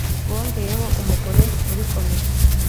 Bongeyeho umugore muri komite.